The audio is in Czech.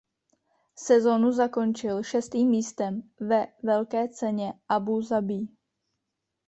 Sezónu zakončil šestým místem ve Velké ceně Abú Zabí.